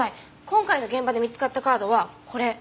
今回の現場で見つかったカードはこれ。